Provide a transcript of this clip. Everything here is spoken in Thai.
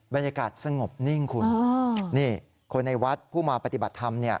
บรรยากาศสงบนิ่งคุณนี่คนในวัดผู้มาปฏิบัติธรรมเนี่ย